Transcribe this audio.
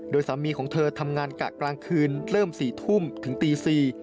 โดยสามีของเธอทำงานกะกลางคืนเริ่ม๔ทุ่มถึงตี๔